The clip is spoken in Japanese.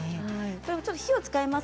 火を使います。